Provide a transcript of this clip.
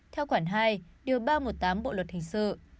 theo khoản hai điều ba trăm một mươi tám bộ luật hình sự